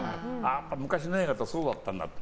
昔の映画ってそうだったんだと。